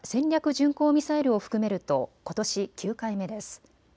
巡航ミサイルを含めるとことし９回目です。